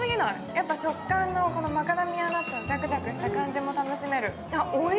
やっぱ食感がマカダミアナッツのザクザクした感じも楽しめる。